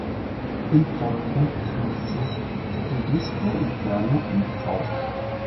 Im Vordergrund befindet sich der Titel "Disco Inferno" in Grau.